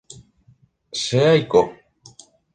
Che aiko.